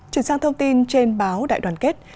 chuyển sang thông tin trên báo đại đoàn kết